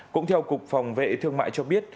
cũng theo cục phòng vệ thương mại cho biết